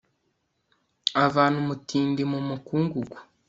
avana umutindi mu mukungugu